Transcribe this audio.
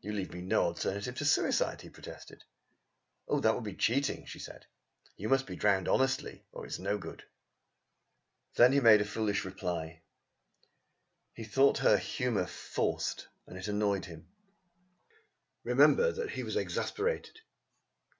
"You leave me no alternative to suicide," he protested. "That would be cheating," she said. "You must be drowned honestly, or it's no good." Then he made a foolish reply. He thought her humour forced and it annoyed him. Remember that he was exasperated.